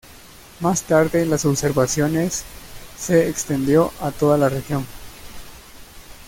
Más tarde las observaciones se extendió a toda la región.